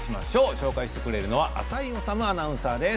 紹介してくれるのは浅井理アナウンサーです。